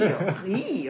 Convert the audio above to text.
いいよ！